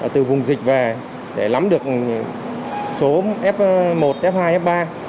từ vùng dịch về để lắm được số f một f hai f ba